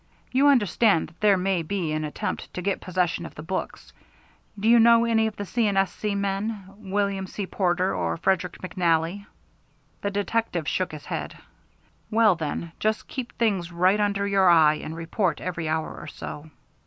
You understand that there may be an attempt to get possession of the books. Do you know any of the C. & S.C. men William C. Porter, or Frederick McNally?" The detective shook his head. "Well, then, just keep things right under your eye, and report every hour or so."